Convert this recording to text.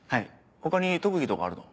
他に特技とかあるの？